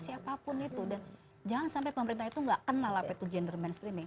jangan sampai pemerintah itu nggak kenal apa itu gender mainstreaming